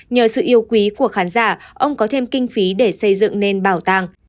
nhờ sự yêu quý của khán giả ông có thêm kinh phí để xây dựng nên bảo tàng